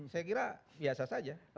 saya kira biasa saja